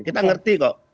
kita ngerti kok